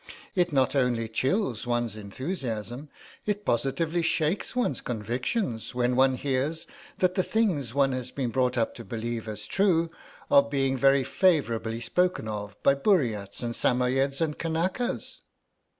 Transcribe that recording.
It not only chills one's enthusiasm, it positively shakes one's convictions when one hears that the things one has been brought up to believe as true are being very favourably spoken of by Buriats and Samoyeds and Kanakas."